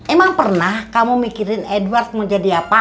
emang pernah kamu mikirin edward mau jadi apa